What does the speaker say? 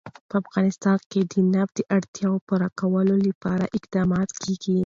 په افغانستان کې د نفت د اړتیاوو پوره کولو لپاره اقدامات کېږي.